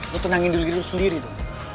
lo tenangin diri lo sendiri mo